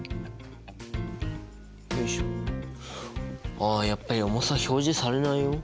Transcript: あやっぱり重さ表示されないよ。